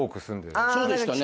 そうでしたね。